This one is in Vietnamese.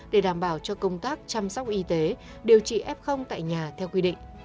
để đảm bảo cho công tác chăm sóc y tế điều trị f tại nhà theo quy định